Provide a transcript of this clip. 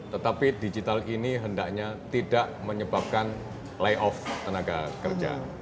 tetapi digital ini hendaknya tidak menyebabkan layoff tenaga kerja